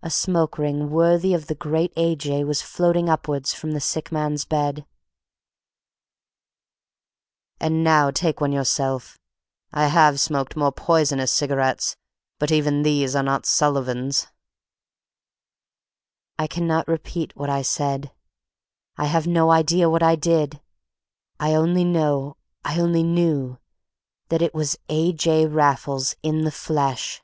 A smoke ring worthy of the great A. J. was floating upward from the sick man's lips. "And now take one yourself. I have smoked more poisonous cigarettes. But even these are not Sullivans!" I cannot repeat what I said. I have no idea what I did. I only know—I only knew—that it was A. J. Raffles in the flesh!